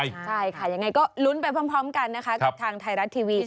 ใช่ค่ะยังไงก็ลุ้นไปพร้อมกันนะคะกับทางไทยรัฐทีวี